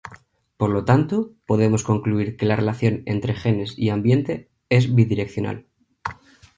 Por lo tanto, podemos concluir que la relación entre genes y ambiente es bidireccional.